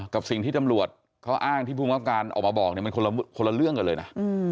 กับสิ่งที่ตำรวจเขาอ้างที่ภูมิกับการออกมาบอกเนี่ยมันคนละเรื่องกันเลยนะ